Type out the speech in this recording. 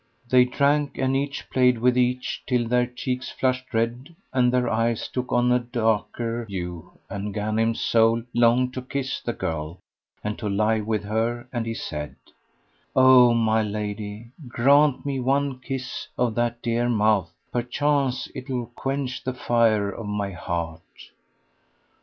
They drank and each played with each, till their cheeks flushed red and their eyes took a darker hue and Ghanim's soul longed to kiss the girl and to lie with her and he said, "O my lady, grant me one kiss of that dear mouth: per chance 't will quench the fire of my heart."